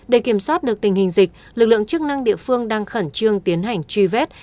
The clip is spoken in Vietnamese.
để kiểm soát được tình hình dịch lực lượng chức năng địa phương đang khẩn trương tiến hành truy vết